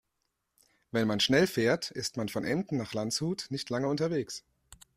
Wenn man schnell fährt, ist man von Emden nach Landshut nicht lange unterwegs